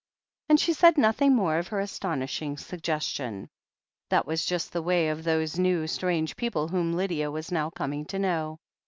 And she said nothing more of her astonishing sug gestion. That was just the way of those new, strange people whom Lydia was now coming to know!